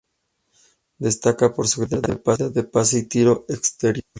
Destaca por su gran habilidad de pase y tiro exterior.